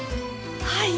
はい。